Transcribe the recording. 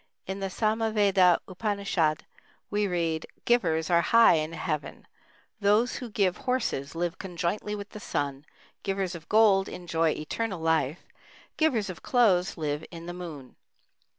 In the Samaveda Upanishad we read: "Givers are high in Heaven. Those who give horses live conjointly with the sun; givers of gold enjoy eternal life; givers of clothes live in the moon."